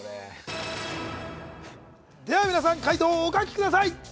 皆さん、解答をお書きください。